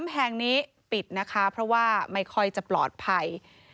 แห่งนี้ปิดนะคะเพราะว่าไม่ค่อยจะปลอดภัย